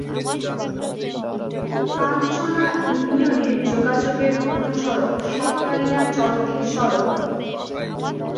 কাঞ্চনা ইউনিয়নে যোগাযোগের প্রধান সড়ক সাতকানিয়া-চরতী সড়ক।